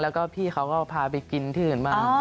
แล้วก็พี่เขาก็พาไปกินที่อื่นบ้าง